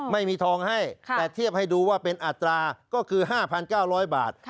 ไม่มีทองให้แต่เทียบให้ดูว่าเป็นอัตราก็คือ๕๙๐๐บาท